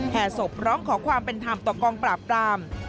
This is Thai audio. ศพร้องขอความเป็นธรรมต่อกองปราบปราม